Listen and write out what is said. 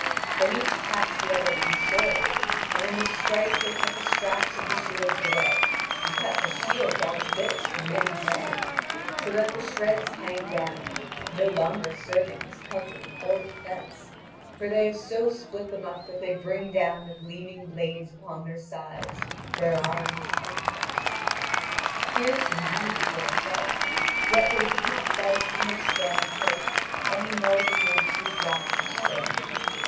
Then each attacks the other with his sword, and in the strife they cut the straps of the shields away, and cut the shields all to bits from end to end, so that the shreds hang down, no longer serving as covering or defence; for they have so split them up that they bring down the gleaming blades upon their sides, their arms, and hips. Fierce, indeed, is their assault; yet they do not budge from their standing place any more than would two blocks of stone.